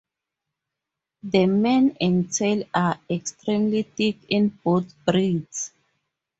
The mane and tail are extremely thick in both breeds.